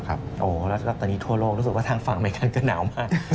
แล้วตอนนี้ทั่วโลกรู้สึกว่าทางฝั่งอเมริกาจะหนาวมาก